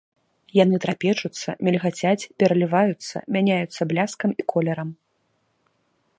Яны трапечуцца, мільгацяць, пераліваюцца, мяняюцца бляскам і колерам.